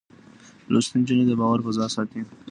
لوستې نجونې د باور فضا ساتي.